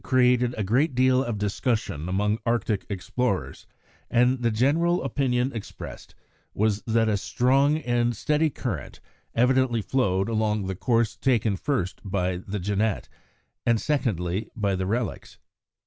] These facts caused a very great deal of discussion among Arctic explorers, and the general opinion expressed was that a strong and steady current evidently flowed along the course taken first by the Jeannette, and secondly by the relics.